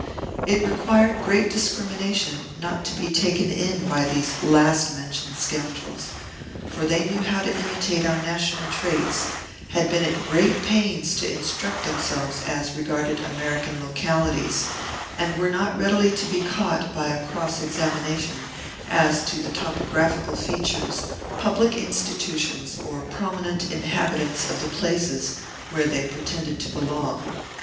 It required great discrimination not to be taken in by these last mentioned scoundrels; for they knew how to imitate our national traits, had been at great pains to instruct themselves as regarded American localities, and were not readily to be caught by a cross examination as to the topographical features, public institutions, or prominent inhabitants of the places where they pretended to belong.